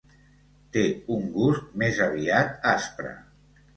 Té un gust més aviat aspre.